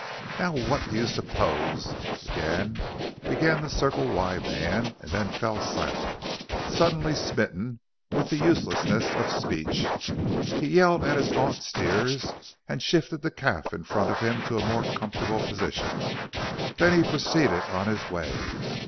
"Now what do you suppose " again began the Circle Y man, and then fell silent, suddenly smitten with the uselessness of speech. He yelled at his gaunt steers and shifted the calf in front of him to a more comfortable position. Then he proceeded on his way.